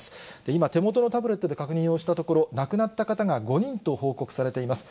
今、手元のタブレットで確認をしたところ、亡くなった方が５人と報告されています。